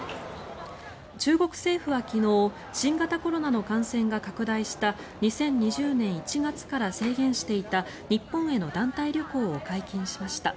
中国政府は昨日新型コロナの感染が拡大した２０２０年１月から制限していた日本への団体旅行を解禁しました。